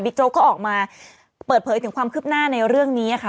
โจ๊กก็ออกมาเปิดเผยถึงความคืบหน้าในเรื่องนี้ค่ะ